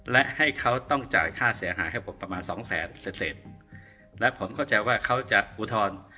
และให้เขาต้องจ่ายค่าเสียหายให้ผมประมาณสองแสนเศษและผมเข้าใจว่าเขาจะอุทธรณ์